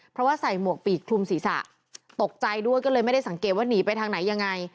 เพราะว่าใส่หมวกปีกคลุมศีรษะตกใจด้วยก็เลยไม่ได้สังเกตว่าหนีไปทางไหนยังไง